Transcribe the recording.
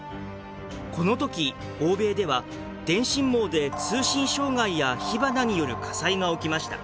この時欧米では電信網で通信障害や火花による火災が起きました。